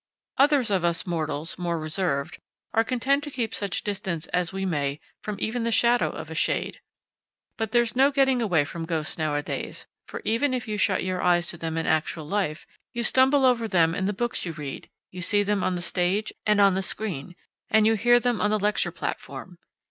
Others of us mortals, more reserved, are content to keep such distance as we may from even the shadow of a shade. But there's no getting away from ghosts nowadays, for even if you shut your eyes to them in actual life, you stumble over them in the books you read, you see them on the stage and on the screen, and you hear them on the lecture platform.